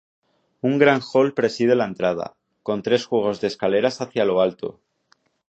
Un gran hall preside la entrada, con tres juegos de escaleras hacia lo alto.